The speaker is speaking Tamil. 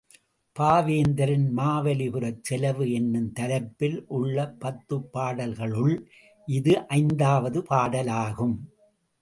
பாவேந்தரின் மாவலி புரச் செலவு என்னும் தலைப்பில் உள்ள பத்துப் பாடல்களுள் இது ஐந்தாவது பாடலாகும்.